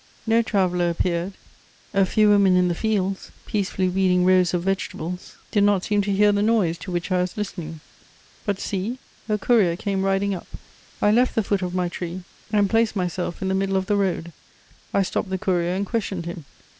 No traveller appeared; a few women in the fields, peacefully weeding rows of vegetables, did not seem to hear the noise to which I was listening. But see, a courier came riding up: I left the foot of my tree and placed myself in the middle of the road; I stopped the courier and questioned him.